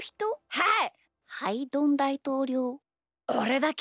はい！